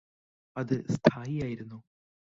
അത് സ്ഥായിയായിരുന്നു